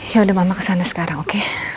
yaudah mama kesana sekarang oke